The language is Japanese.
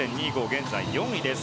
現在、４位です